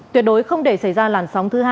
tuyệt đối không để xảy ra làn sóng thứ hai